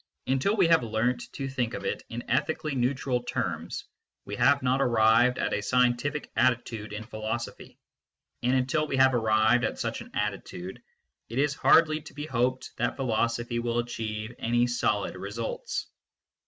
Until we have learnt to think of it in ethically neutral terms, we have not arrived at a scientific attitude in philosophy ; and until we have arrived at such an attitude, it is hardly to be hoped that philosophy will achieve any solid results.